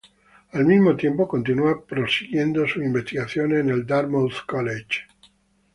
Al mismo tiempo, continúa prosiguiendo sus investigaciones en el Dartmouth College.